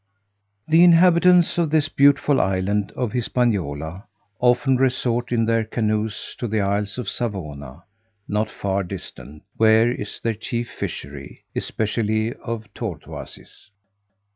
The inhabitants of this beautiful island of Hispaniola often resort in their canoes to the isle of Savona, not far distant, where is their chief fishery, especially of tortoises.